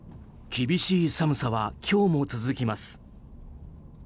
厳しい寒さは今日も続きます。